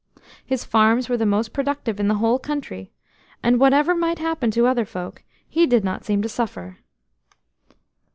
His farms were the most productive in the whole country, and whatever might happen to other folk, he did not seem to suffer.